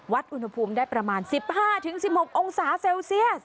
อุณหภูมิได้ประมาณ๑๕๑๖องศาเซลเซียส